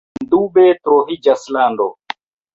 Sendube troviĝas lando.“